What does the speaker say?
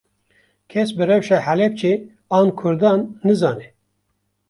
Kes bi rewşa Helepçe an Kurdan nizane